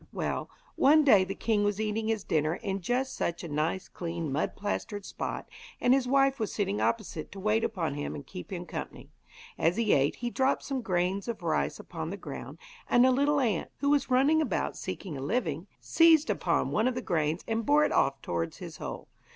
Well, one day the king was eating his dinner in just such a nice, clean, mud plastered spot, and his wife was sitting opposite to wait upon him and keep him company. As he ate he dropped some grains of rice upon the ground, and a little ant, who was running about seeking a living, seized upon one of the grains and bore it off towards his hole.